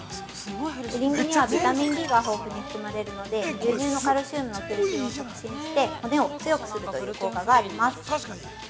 ◆エリンギにはビタミンＤが豊富に含まれるので牛乳のカルシウムの吸収を促進して、骨を強くするという効果があります。